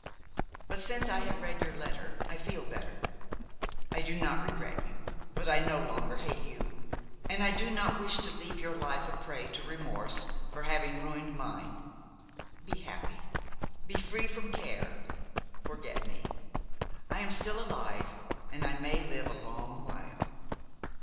"But since I have read your letter I feel better. I do not regret you, but I no longer hate you, and I do not wish to leave your life a prey to remorse for having ruined mine. Be happy, be free from care; forget me. I am still alive and I may live a long while.